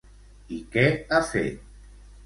I què ha fet?